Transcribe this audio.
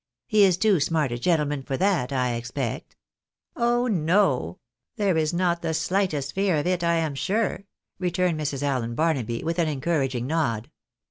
He is too smart a gentleman for that, I expect." " Oh, no ! There is not the slightest fear of it, I am sure," returned Mrs. Allen Barnaby, with an encouraging nod.